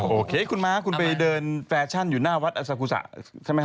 โอเคคุณม้าคุณไปเดินแฟชั่นอยู่หน้าวัดอซากุศะใช่ไหมฮ